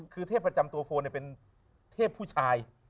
คือเทพประจำตัวโฟนเป็นเทพผู้ชาย